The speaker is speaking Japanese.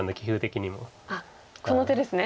あっこの手ですね。